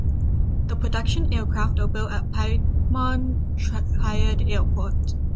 The production aircraft are built at Piedmont Triad Airport.